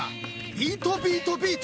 ビート・ビート・ビート！